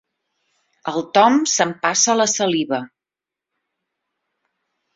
El Tom s'empassa la saliva.